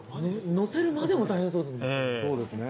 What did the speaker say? のせるまでも大変そうですね。